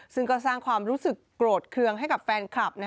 สร้างความรู้สึกโกรธเครื่องให้กับแฟนคลับ